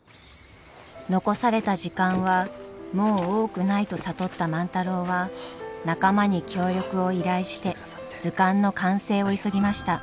残された時間はもう多くないと悟った万太郎は仲間に協力を依頼して図鑑の完成を急ぎました。